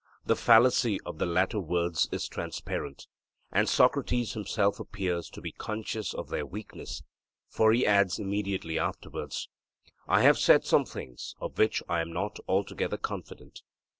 The fallacy of the latter words is transparent. And Socrates himself appears to be conscious of their weakness; for he adds immediately afterwards, 'I have said some things of which I am not altogether confident.'